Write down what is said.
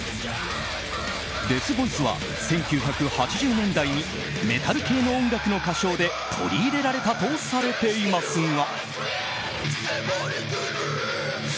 デスボイスは１９８０年代にメタル系の音楽の歌唱で取り入れられたとされていますが。